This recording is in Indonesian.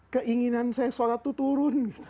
keinginan saya sholat itu turun